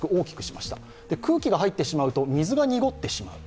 空気が入ってしまうと水が濁ってしまう。